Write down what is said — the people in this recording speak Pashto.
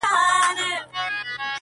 را حاضر یې کړل سویان وه که پسونه٫